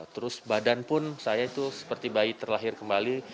terus badan pun saya itu seperti bayi terlahir kembali